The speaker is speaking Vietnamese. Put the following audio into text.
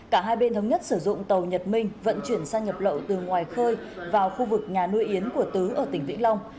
cả hai bên thống nhất sử dụng tàu nhật minh vận chuyển sang nhập lậu từ ngoài khơi vào khu vực nhà nuôi yến của tứ ở tỉnh vĩnh long